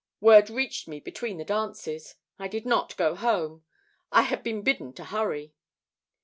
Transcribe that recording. Word reached me between the dances. I did not go home. I had been bidden to hurry."